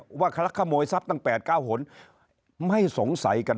เนี่ยว่าขลักขโมยทรัพย์ตั้ง๘๙หลไม่สงสัยกัน